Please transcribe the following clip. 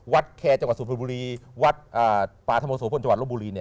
แคร์จังหวัดสุพรรณบุรีวัดป่าธโมโสพลจังหวัดลบบุรี